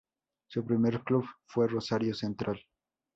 Su primer club fue Rosario Central.